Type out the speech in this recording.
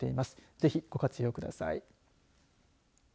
ぜひ、ご活用ください。